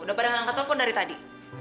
udah pada ngangkat telepon dari tadi